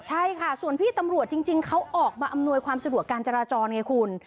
ใช่ค่ะส่วนพี่ตำรวจจริงเขาออกมาอำนวยความสะดวกการจราจรไงคุณ